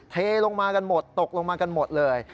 เทลงมากันหมดตกลงมากันหมดเลย